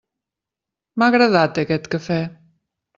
M'ha agradat aquest cafè!